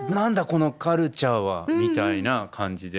このカルチャーは」みたいな感じで。